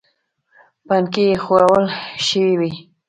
پنکې ایښوول شوې وې.